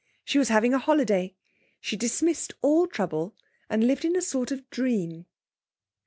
She was having a holiday. She dismissed all trouble and lived in a sort of dream.